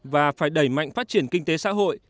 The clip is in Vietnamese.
và phải đẩy mạnh phát triển kinh tế xã hội